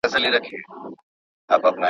څېړني د اقتصاد د بقا لپاره ضروري دي.